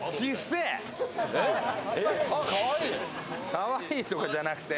かわいいとかじゃなくて。